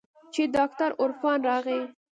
چې ډاکتر عرفان راغى.